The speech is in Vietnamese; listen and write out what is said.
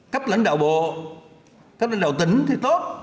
cấp lãnh đạo bộ cấp lãnh đạo tỉnh thì tốt